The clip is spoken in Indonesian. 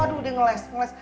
aduh dia ngeles